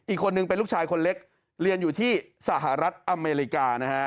อีกคนนึงเป็นลูกชายคนเล็กเรียนอยู่ที่สหรัฐอเมริกานะฮะ